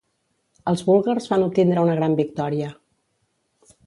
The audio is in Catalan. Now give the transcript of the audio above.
Els búlgars van obtindre una gran victòria.